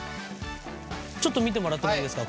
ちょっと見てもらってもいいですか。